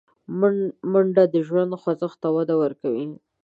منډه د ژوند خوځښت ته وده ورکوي